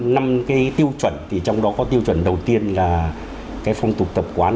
năm cái tiêu chuẩn thì trong đó có tiêu chuẩn đầu tiên là cái phong tục tập quán